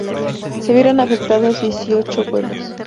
Se vieron afectados dieciocho vuelos.